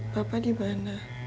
bapak di mana